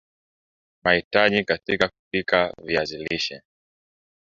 mahitaji katika kupika viazi lishe